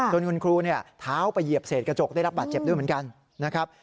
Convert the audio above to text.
คุณครูเนี่ยเท้าไปเหยียบเศษกระจกได้รับบาดเจ็บด้วยเหมือนกันนะครับ